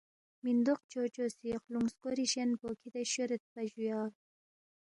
مِندوق چوچو سی خلُونگ سکوری شین پو کِھدے شوریدپا جُویا